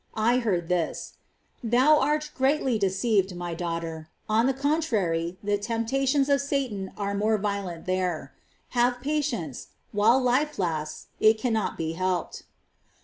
I heard this :" Thou art greatly deceived, My daughter ; on the contrary, the temptations of Satan are more violent there. Have patience ; while life lasts, it cannot be helped."